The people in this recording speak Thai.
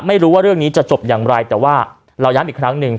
ไม่รู้ว่าเรื่องนี้จะจบอย่างไรแต่ว่าเราย้ำอีกครั้งหนึ่ง